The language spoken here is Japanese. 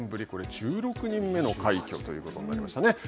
これ１６人目の快挙ということになりましたね。